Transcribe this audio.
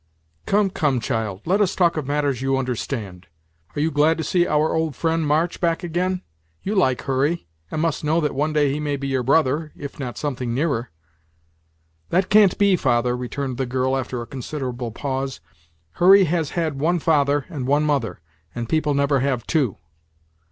"Come, come, child; let us talk of matters you understand. Are you glad to see our old friend, March, back again? You like Hurry, and must know that one day he may be your brother if not something nearer." "That can't be, father," returned the girl, after a considerable pause; "Hurry has had one father, and one mother; and people never have two."